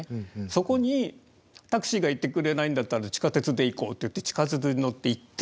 そこにタクシーが行ってくれないんだったら地下鉄で行こうっていって地下鉄に乗って行って。